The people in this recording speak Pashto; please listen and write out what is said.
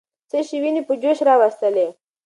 څه شی ويني په جوش راوستلې؟